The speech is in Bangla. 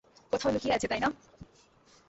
কোথাও লুকিয়ে আছে, তাই না?